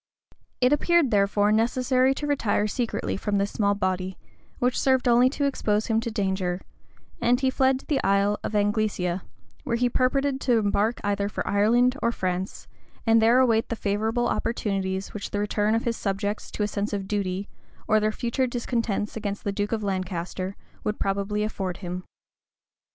It appeared, therefore, necessary to retire secretly from this small body, which served only to expose him to danger; and he fled to the Isle of Anglesea, where he purposed to embark either for Ireland or France, and there await the favorable opportunities which the return of his subjects to a sense of duty, or their future discontents against the duke of Lancaster, would probably afford him.